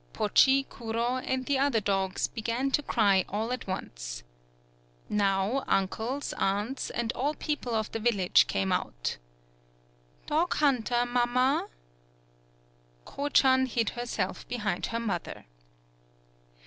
Pochi, Kuro and the other dogs began to cry all at once. Now, uncles, aunts, and all people of the village came out. "Dog hunter, mammal" Ko chan hid herself behind her mother.